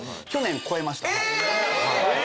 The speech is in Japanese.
え！